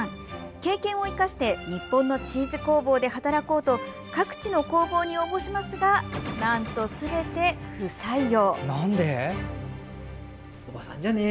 経験を生かして日本のチーズ工房で働こうと各地の工房に応募しますがなんと、全て不採用。